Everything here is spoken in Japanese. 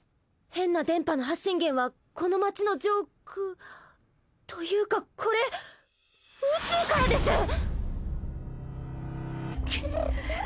変な電波の発信源はこの町の上空。というかこれ宇宙からです！